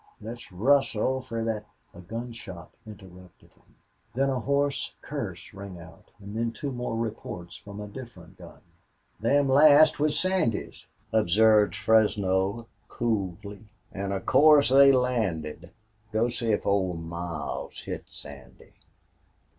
"Let's rustle fer thet " A gun shot interrupted him. Then a hoarse curse rang out and then two more reports from a different gun. "Them last was Sandy's," observed Fresno, coolly. "An' of course they landed... Go see if Old Miles hit Sandy."